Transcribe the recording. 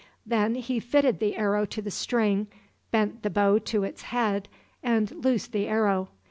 Then he fitted the arrow to the string, bent the bow to its head, and loosed the arrow.